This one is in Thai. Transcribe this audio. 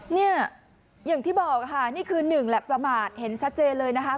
เนี่ยอย่างที่บอกค่ะนี่คือหนึ่งแหละประมาทเห็นชัดเจนเลยนะคะ